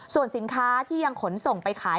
ส่วนสินค้าที่ยังขนส่งไปขาย